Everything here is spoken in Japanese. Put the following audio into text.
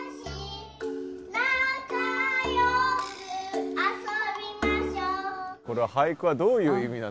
「なかよくあそびましょう」